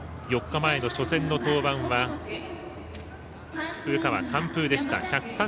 ４日前の初戦の登板は古川、完封でした。